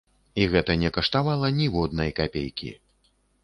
І гэта не каштавала ніводнай капейкі.